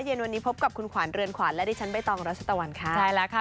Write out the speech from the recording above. เย็นวันนี้พบกับคุณขวัญเรือนขวัญและดิฉันใบตองรัชตะวันค่ะใช่แล้วค่ะ